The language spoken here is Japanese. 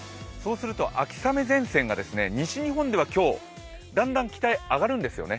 秋雨前線が西日本では今日、だんだん北へ上がるんですよね。